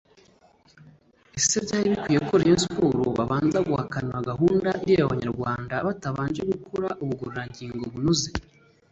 Ese byari bikwiye ko Rayon Sports babanza guhakana gahunda ireba abanyarwanda batabanje gukora ubugororangingo bunoze